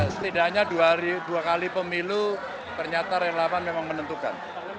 setidaknya dua kali pemilu ternyata relawan memang menentukan